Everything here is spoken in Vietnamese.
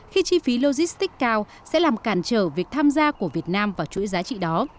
khi chi phí logistics cao sẽ làm cản trở việc tham gia của việt nam vào chuỗi giá trị đó